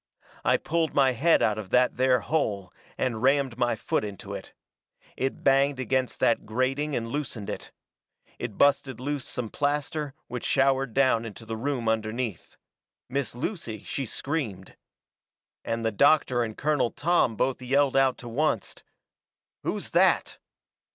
I pulled my head out of that there hole, and rammed my foot into it. It banged against that grating and loosened it. It busted loose some plaster, which showered down into the room underneath. Miss Lucy, she screamed. And the doctor and Colonel Tom both yelled out to oncet: "Who's that?"